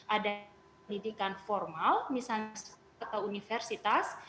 ada pendidikan formal misalnya ke universitas